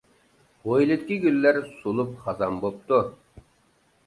ھويلىدىكى گۈللەر سولۇپ خازان بوپتۇ.